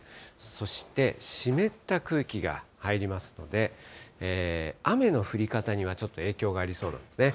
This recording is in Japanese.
そして、湿った空気が入りますので、雨の降り方にはちょっと影響がありそうですね。